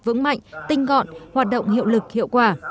vững mạnh tinh gọn hoạt động hiệu lực hiệu quả